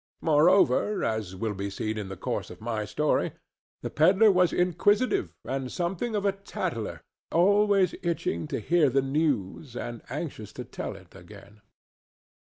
Moreover, as will be seen in the course of my story, the pedler was inquisitive and something of a tattler, always itching to hear the news and anxious to tell it again.